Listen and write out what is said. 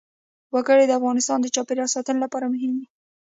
وګړي د افغانستان د چاپیریال ساتنې لپاره مهم دي.